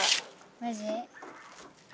マジ？